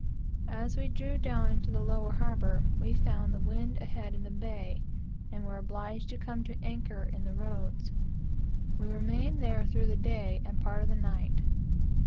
As we drew down into the lower harbor, we found the wind ahead in the bay, and were obliged to come to anchor in the roads. We remained there through the day and a part of the night.